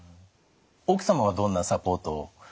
奥様はどんなサポートを？